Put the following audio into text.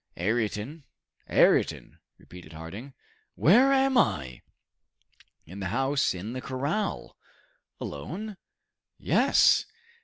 "Ayrton! Ayrton!" repeated Harding. "Where am I?" "In the house in the corral!" "Alone?" "Yes!"